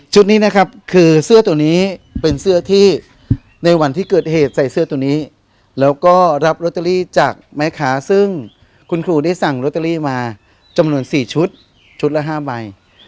นี้นะครับคือเสื้อตัวนี้เป็นเสื้อที่ในวันที่เกิดเหตุใส่เสื้อตัวนี้แล้วก็รับลอตเตอรี่จากแม่ค้าซึ่งคุณครูได้สั่งลอตเตอรี่มาจำนวน๔ชุดชุดละ๕ใบ